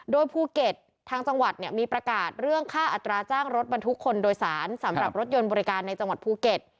โดยภูเก็ตทางจังหวัดเนี่ยมีประกาศเรื่องค่าอัตราจ้างรถบรรทุกคนโดยสารสำหรับรถยนต์บริการในจังหวัดภูเก็ต